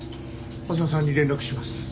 浅輪さんに連絡します。